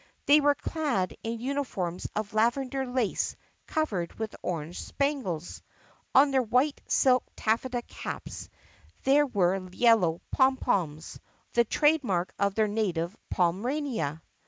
They were clad in uniforms of lavender lace covered with orange spangles. On their white silk taffeta caps there were yellow pom poms, the trade mark of their native Pomerania.